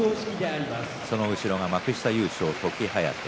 その後ろが幕下優勝の時疾風。